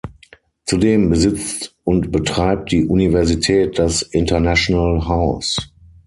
Zudem besitzt und betreibt die Universität das International House.